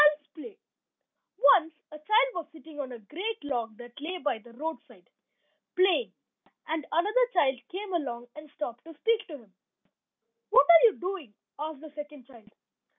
CHILD'S PLAY Once a child was sitting on a great log that lay by the roadside, playing; and another child came along, and stopped to speak to him. "What are you doing?" asked the second child.